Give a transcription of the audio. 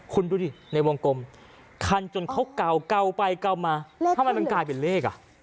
คุณดูดิในวงกลมคันจนเขาเก่าไปเกามาเลขทำไมมันกลายเป็นเลขอ่ะ